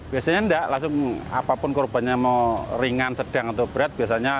biasanya enggak langsung apapun korbannya mau ringan sedang atau berat